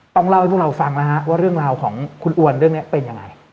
ต้องเล่าให้พวกเราฟังแล้วฮะว่าเรื่องราวของคุณอวนเรื่องนี้เป็นยังไง